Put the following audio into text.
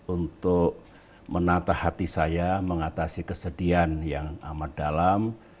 untuk menata hati saya mengatasi kesedihan yang amat dalam